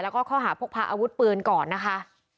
แล้วก็ข้อหาพกพาอาวุธปืนก่อนนะคะ